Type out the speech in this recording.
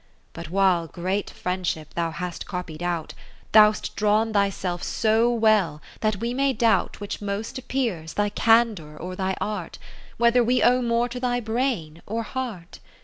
But while great friendship thou hast copied out, Thou'st drawn thyself so well, that we may doubt 30 Which most appears, thy candour or thy art. Whether we owe more to thy brain or heart.